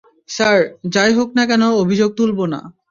Sir, যা-ই হোক না কেন অভিযোগ তুলবো না।